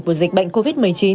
của dịch bệnh covid một mươi chín